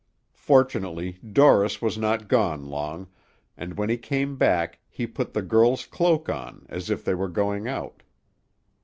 Fortunately Dorris was not gone long, and when he came back he put the girl's cloak on, as if they were going out.